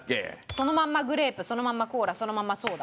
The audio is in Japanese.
そのまんまグレープそのまんまコーラそのまんまソーダ。